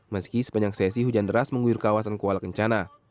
meski sepanjang sesi hujan deras mengguyur kawasan kuala kencana